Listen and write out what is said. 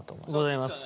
ございます。